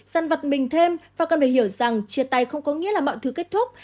dằn vặt mình thêm và cần phải hiểu rằng chia tay không có nghĩa là mọi thứ kết thúc